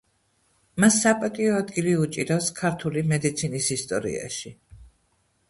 მას საპატიო ადგილი უჭირავს ქართული მედიცინის ისტორიაში.